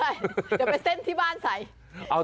เดี๋ยวไปเส้นที่บ้านใส่